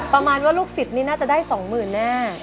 ประมาณว่าลูกศิษย์นี่น่าจะได้๒๐๐๐แน่